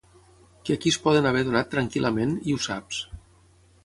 Que aquí es poden haver donat tranquil·lament, i ho saps.